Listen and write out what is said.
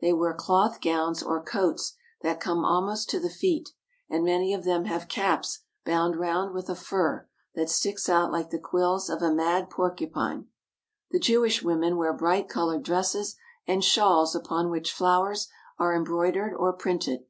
They wear cloth gowns or coats that come almost to the feet, and many of them have caps bound round with a fur, that sticks out like the quills of a mad porcupine. The Jewish women wear bright colored dresses and shawls upon which flowers are embroidered or printed.